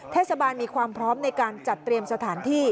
เทศบาลมีความพร้อมในการจัดเตรียมสถานที่